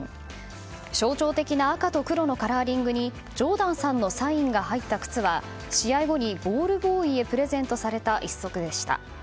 象徴的な赤と黒のカラーリングにジョーダンさんのサインが入った靴は試合後にボールボーイへプレゼントされた一足でした。